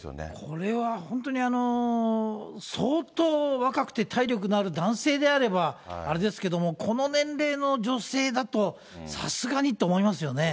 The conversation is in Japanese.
これは本当に、相当若くて体力のある男性であれば、あれですけれども、この年齢の女性だと、さすがにと思いますよね。